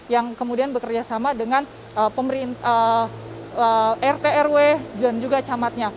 yang kemudian bekerjasama dengan rt rw dan juga camatnya